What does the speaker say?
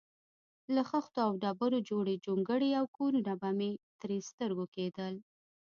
له خښتو او ډبرو جوړې جونګړې او کورونه به مې تر سترګو کېدل.